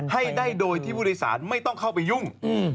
ให้ได้โดยที่ผู้โดยสารไม่ต้องเข้าไปยุ่ง